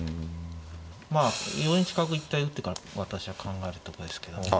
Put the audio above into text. まあ４一角一回打ってから私は考えるとこですけどね。